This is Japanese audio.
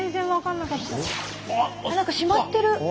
なんかしまってる。